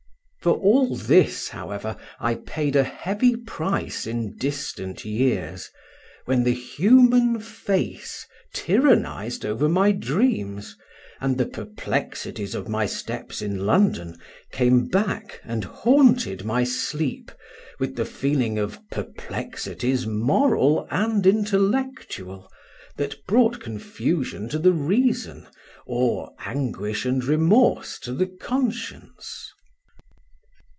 For all this, however, I paid a heavy price in distant years, when the human face tyrannised over my dreams, and the perplexities of my steps in London came back and haunted my sleep, with the feeling of perplexities, moral and intellectual, that brought confusion to the reason, or anguish and remorse to the conscience.